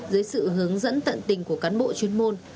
dưới sự hướng dẫn tận tình của cán bộ chuyên môn